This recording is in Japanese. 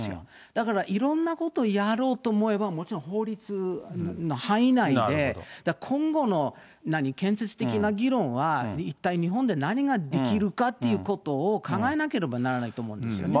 だから、いろんなことやろうと思えば、もちろん法律の範囲内で、だから今後の建設的な議論は、一体日本で何ができるかっていうことを、考えなければならないと思うんですよね。